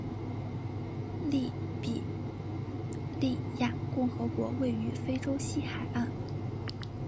利比里亚共和国位于非洲西海岸。